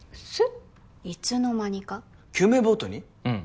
うん。